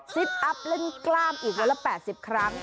อัพเล่นกล้ามอีกวันละ๘๐ครั้ง